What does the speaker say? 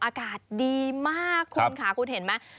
อากาศดีมากคุณค่ะคุณเห็นไหม